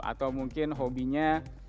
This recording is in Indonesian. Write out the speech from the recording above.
atau mungkin hobinya